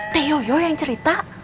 teh yoyo yang cerita